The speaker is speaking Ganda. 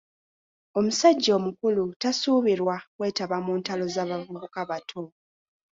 Omusajja omukulu tasuubirwa kwetaba mu ntalo za bavubuka bato.